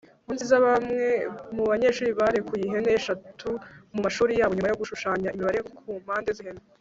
Nkurunziza bamwe mubanyeshuri barekuye ihene eshatu mumashuri yabo nyuma yo gushushanya imibare kumpande zihene